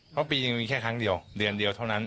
เพราะปีหนึ่งมีแค่ครั้งเดียวเดือนเดียวเท่านั้น